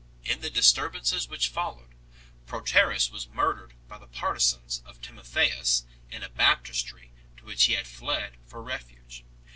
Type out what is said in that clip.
In the disturbances which followed, Proterius was murdered by the partisans of Timotheus in a baptistery to which he had fled for refuge 2